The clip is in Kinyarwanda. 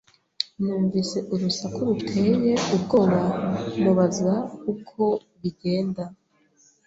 Numvise urusaku ruteye ubwoba, mubaza uko bigenda.